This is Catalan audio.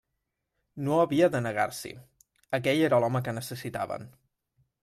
No havia de negar-s'hi: aquell era l'home que necessitaven.